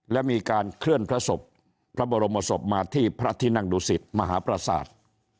และมีการเคลื่อนพระศพพระบรมศพมาที่พระที่นั่งดุสิตมหาประสาท